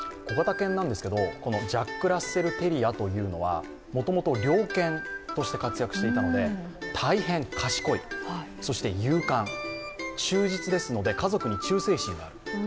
小型犬なんですけど、ジャックラッセルテリアというのはもともと猟犬として活躍していたので大変賢い、そして勇敢、忠実ですので家族に忠誠心がある。